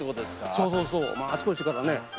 そうそうそうあちこちからね。